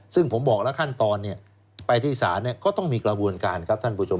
ซึ่งผมบอกแล้วขั้นตอนไปที่ศาลก็ต้องมีกระบวนการครับท่านผู้ชม